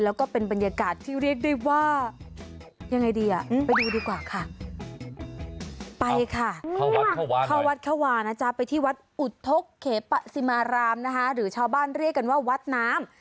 แล้วก็เป็นบรรยากาศที่เรียกได้ว่า